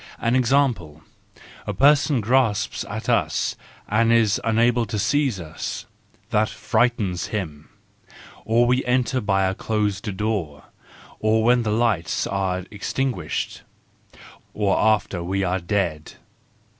An example: a person grasps at us, and is unable to seize us. That frightens him. Or we enter by a closed door. Or when the lights are extinguished. Or after we are dead.